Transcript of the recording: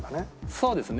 そうですね。